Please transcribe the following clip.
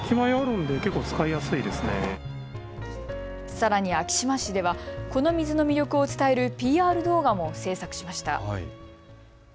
さらに昭島市では、この水の魅力を伝えるＰＲ動画も制作しました。